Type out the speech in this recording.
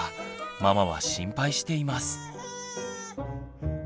ママは心配しています。